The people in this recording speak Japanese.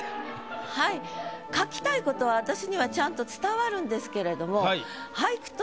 はい書きたいことは私にはちゃんと伝わるんですけれども。